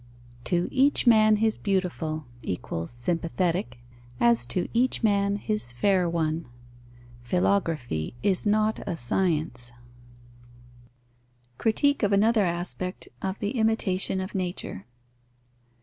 To each man his beautiful (= sympathetic), as to each man his fair one. Philography is not a science. _Critique of another aspect of the imitation of nature.